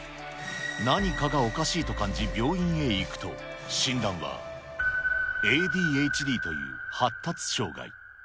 何かがおかしいと感じ、病院へ行くと、診断は、ＡＤＨＤという発達障害。